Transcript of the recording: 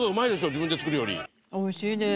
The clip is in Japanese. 自分で作るより。美味しいです。